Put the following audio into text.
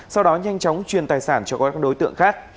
sau đó nhanh chóng truyền tài sản cho các đối tượng khác